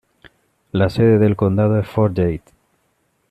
La sede del condado es Fort Yates.